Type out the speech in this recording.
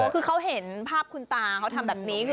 คือเขาเห็นภาพคุณตาเขาทำแบบนี้คือ